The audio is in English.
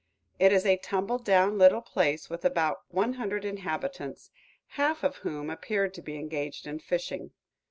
It is a tumble down little place, with about one hundred inhabitants, half of whom appeared to be engaged in fishing.